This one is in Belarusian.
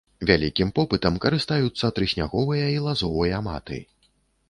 Вялікім попытам карыстаюцца трысняговыя і лазовыя маты.